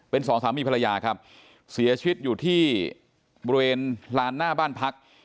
เป็นสองสามีภรรยาครับเสียชีวิตอยู่ที่บริเวณลานหน้าบ้านพัก